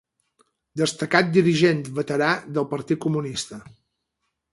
Destacat dirigent veterà del partit comunista.